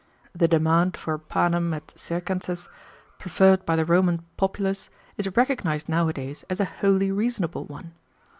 The demand for 'panem ef circenses' preferred by the Roman populace is recognized nowadays as a wholly reasonable one.